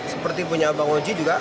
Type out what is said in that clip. seperti punya abang oji juga